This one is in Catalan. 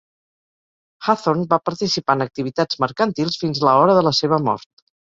Hathorn va participar en activitats mercantils fins la hora de la seva mort.